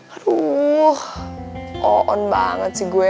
aduh oon banget sih gue